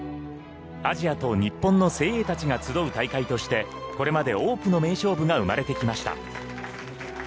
アジアと日本の精鋭たちが集う大会としてこれまで多くの名勝負が生まれてきました。